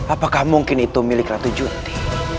apakah mungkin itu milik ratu junti